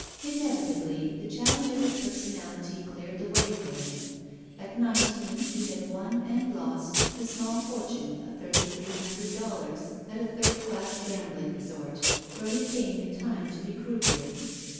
Inevitably, the challenge of his personality cleared the way for him. At nineteen he had won and lost the small fortune of thirty three hundred dollars at a third class gambling resort where he came in time to be croupier.